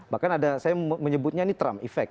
bahkan ada saya menyebutnya ini trump effect